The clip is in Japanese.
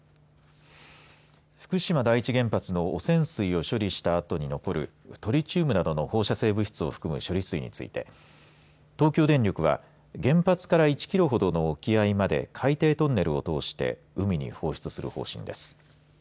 福島第一原発の汚染水を処理したあとに残るトリチウムなどの放射性物質などを含む処理水について東京電力は原発から１キロほどの沖合まで海底トンネルを通して海に放出する方針です。